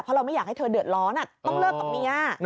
เพราะเราไม่อยากให้เธอเดือดร้อนต้องเลิกกับเมีย